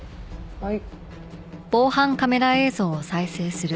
はい。